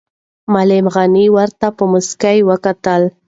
معلم غني ورته په موسکا وکتل.